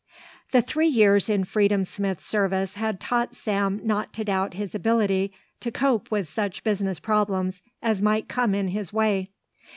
The three years in Freedom Smith's service had taught Sam not to doubt his ability to cope with such business problems as might come in his way.